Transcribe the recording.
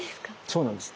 そうなんです。